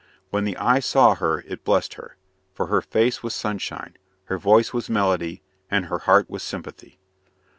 When the eye saw her it blessed her, for her face was sunshine, her voice was melody, and her heart was sympathy.